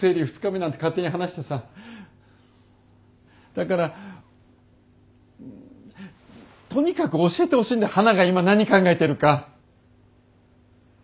だからとにかく教えてほしいんだ花が今何考えてるか。